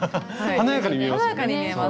華やかに見えます。